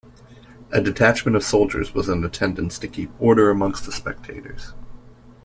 A detachment of soldiers was in attendance to keep order amongst the spectators.